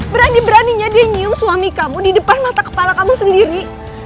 berani beraninya dia nyium suami kamu di depan mata kepala kamu sendiri